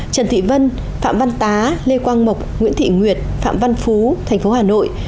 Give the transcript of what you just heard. trần thị vân phạm văn tá lê quang mộc nguyễn thị nguyệt phạm văn phú thành phố hà nội